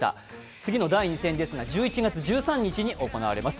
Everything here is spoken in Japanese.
次の第２戦ですが１１月１３日にあります。